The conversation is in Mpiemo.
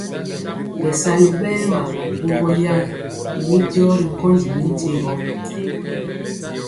Bɛsali bɛɛr wa bogɔ yan ymi jɔɔ ri nkondi mi tyegɔ.